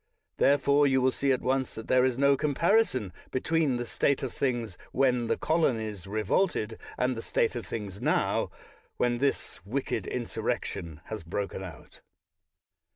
Therefore you will see at once that there is no comparison be tween the state of things when the Colonies re volted, and the state of things now, when this wicked insurrection has broken out.